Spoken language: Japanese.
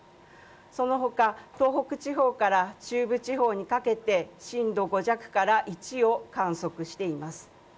そのほか、東北地方から中部地方にかけて震度５弱から１を観測しています。